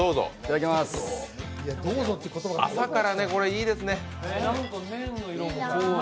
朝からこれいいですね。